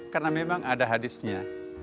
karena memang ada hadisnya